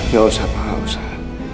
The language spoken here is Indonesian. ga usah pak ga usah